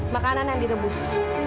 makanan yang direbus